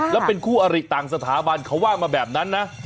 แล้วเป็นคู่อริต่างสถาบันเขาว่ามาแบบนั้นนะ